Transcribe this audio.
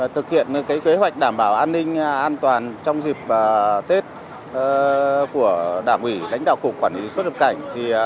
thực hiện kế hoạch đảm bảo an ninh an toàn trong dịp tết của đảng ủy lãnh đạo cục quản lý xuất nhập cảnh